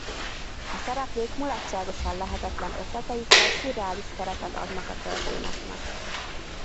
A szereplők mulatságosan lehetetlen ötleteikkel szürreális keretet adnak a történetnek.